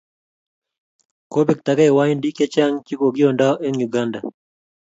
kobektagei Wahindinik chechang che kokionda eng' Uganda